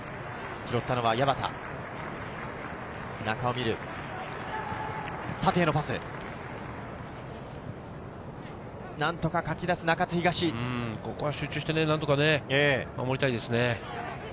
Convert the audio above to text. ここは集中して何とか守りたいですね。